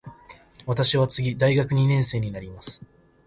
私は次大学二年生になります。